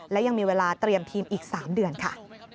และยังมีเวลาเตรียมทีมอีก๓เดือนค่ะ